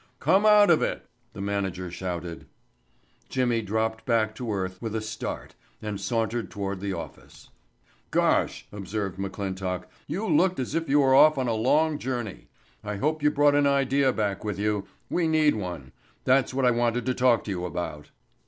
"Come out of it," the manager shouted. Jimmy dropped back to earth with a start and sauntered toward the office. "Gosh," observed McClintock, "you looked as if you were off on a long journey. I hope you brought an idea back with you. We need one. That's what I wanted to talk to you about."